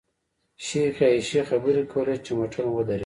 شیخې عایشې خبرې کولې چې موټر مو ودرېد.